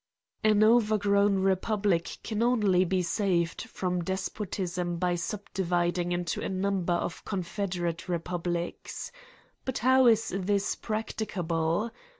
An overgrown republic can only be saved from despotism by subdividing it into a number of confederate republics. But how is this practicable?